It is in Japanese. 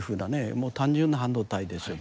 もう単純な半導体ですよね。